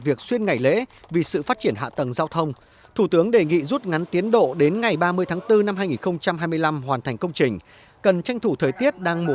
vượt sáu tháng so với kế hoạch ban đầu